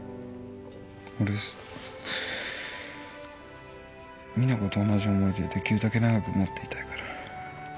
実那子と同じ思い出できるだけ長く持っていたいから。